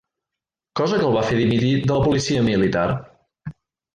Cosa que el va fer dimitir de la policia militar.